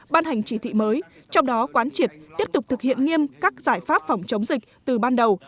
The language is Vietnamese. ban hành chỉ thị mới trong đó quán triệt tiếp tục thực hiện nghiêm các giải pháp phòng chống dịch từ ban đầu